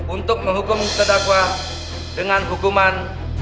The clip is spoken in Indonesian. untuk menghukum terdakwa dengan hukuman